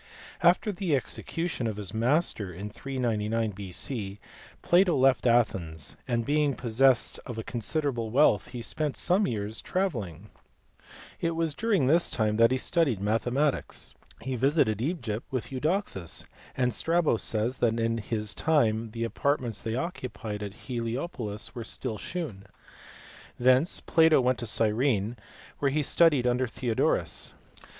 After the execution of his master in 399 B.C. Plato left Athens, and being possessed of " .< Table wealth he spent some years in travelling : it was :^ this time that he studied mathematics. He visited Egypt with Eudoxus, and Strabo says that in his time the apartments they occupied at Heliopolis were still shewn. Thence Plato went to Gyrene, where he studied under Theodorus.